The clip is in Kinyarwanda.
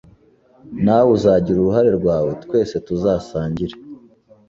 Nawe uzagira uruhare rwawe twese tuzasangire